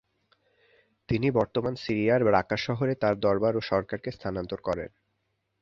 তিনি বর্তমান সিরিয়ার রাকা শহরে তার দরবার ও সরকারকে স্থানান্তর করেন।